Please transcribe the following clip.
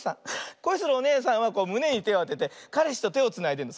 こいするおねえさんはむねにてをあててかれしとてをつないでるの。